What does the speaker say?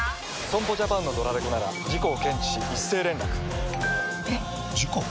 損保ジャパンのドラレコなら事故を検知し一斉連絡ピコンえっ？！事故？！